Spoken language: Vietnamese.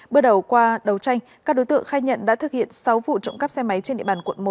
bước đầu qua đấu tranh các đối tượng khai nhận đã thực hiện sáu vụ trộm cắp xe máy trên địa bàn quận một